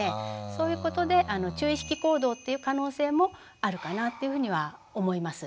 そういうことで注意引き行動っていう可能性もあるかなっていうふうには思います。